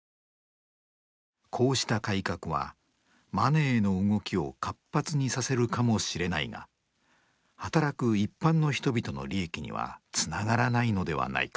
「こうした改革はマネーの動きを活発にさせるかもしれないが働く一般の人々の利益にはつながらないのではないか」。